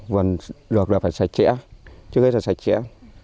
vườn được là phải sạch chẽ trước hết là sạch chẽ